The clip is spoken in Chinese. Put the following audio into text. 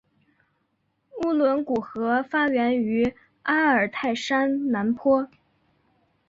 乌伦古河发源于阿尔泰山南坡。